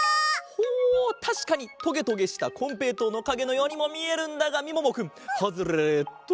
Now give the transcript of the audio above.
ほうたしかにトゲトゲしたこんぺいとうのかげのようにもみえるんだがみももくんハズレット。